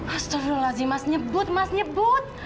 astagfirullahaladzim mas nyebut mas nyebut